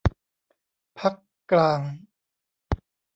พรรคกลาง